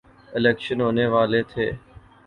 election ہونے والے تھے